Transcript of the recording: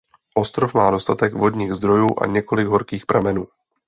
Ostrov má dostatek vodních zdrojů a několik horkých pramenů.